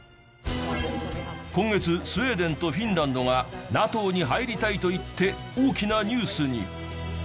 今月スウェーデンとフィンランドがＮＡＴＯに入りたいと言って大きなニュースに。